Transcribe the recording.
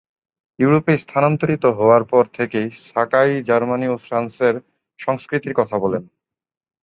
ইউরোপে স্থানান্তরিত হওয়ার পর থেকে সাকাই জার্মানি ও ফ্রান্সের সংস্কৃতির কথা বলেন।